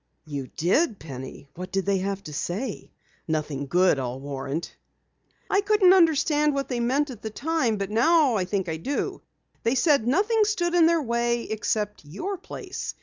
"You did, Penny? What did they have to say? Nothing good, I'll warrant." "I couldn't understand what they meant at the time, but now I think I do. They said that nothing stood in their way except your place.